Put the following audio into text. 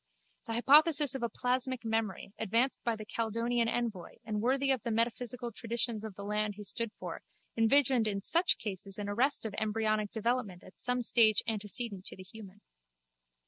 The hypothesis of a plasmic memory, advanced by the Caledonian envoy and worthy of the metaphysical traditions of the land he stood for, envisaged in such cases an arrest of embryonic development at some stage antecedent to the human.